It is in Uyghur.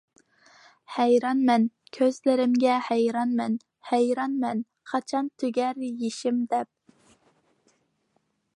ھەيرانىمەن كۆزلىرىمگە ھەيرانمەن، ھەيرانىمەن قاچان تۈگەر يېشىم دەپ.